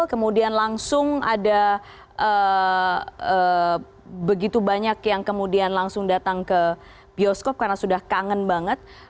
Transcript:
kemudian langsung ada begitu banyak yang kemudian langsung datang ke bioskop karena sudah kangen banget